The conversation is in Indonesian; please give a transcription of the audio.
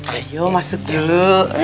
ayo masuk dulu